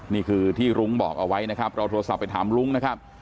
นี่คือที่รุ้งบอกเอาไว้นะครับเราโทรศัพท์ไปถามรุ้งนะครับ